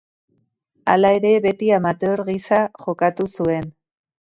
Hala ere beti amateur gisa jokatu zuen.